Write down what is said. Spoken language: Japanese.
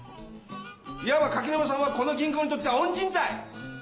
いわば垣沼さんはこの銀行にとっては恩人たい！